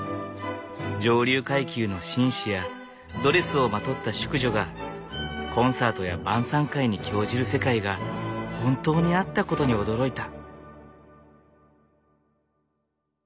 上流階級の紳士やドレスをまとった淑女がコンサートや晩さん会に興じる世界が本当にあったことに驚いた。